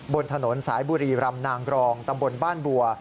บนถนนสายบุรีรำนางกรองตำบลบ้านบัว